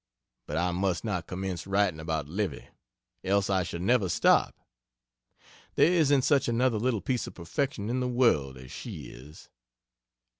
But I must not commence writing about Livy, else I shall never stop. There isn't such another little piece of perfection in the world as she is.